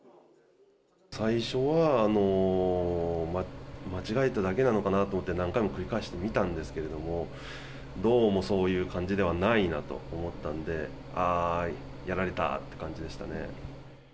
最初は間違えただけなのかなと思って、何回も繰り返して見たんですけれども、どうもそういう感じではないなと思ったんで、あー、やられたっていう感じでしたね。